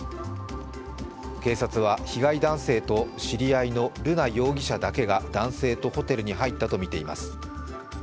警察は被害男性と知り合いの瑠奈容疑者だけが男性とホテルに入ったとみています。